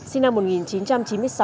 sinh năm một nghìn chín trăm chín mươi sáu